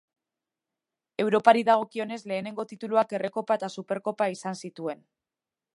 Europari dagokionez lehenengo tituluak Errekopa eta Superkopa izan zituen.